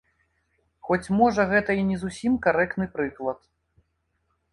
Хоць можа гэта і не зусім карэктны прыклад.